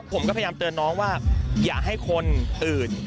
ผมก็พยายามเตือนน้องว่าอย่าให้คนอื่น